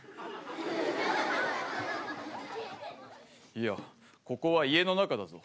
いやここは家の中だぞ。